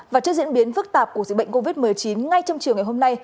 và trước diễn biến phức tạp của dịch bệnh covid một mươi chín ngay trong chiều ngày hôm nay